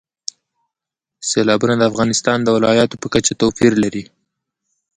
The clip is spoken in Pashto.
سیلابونه د افغانستان د ولایاتو په کچه توپیر لري.